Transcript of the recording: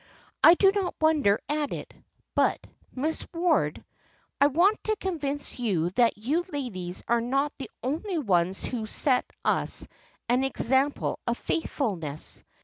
"I do not wonder at it; but, Miss Ward, I want to convince you that you ladies are not the only ones who set us an example of faithfulness.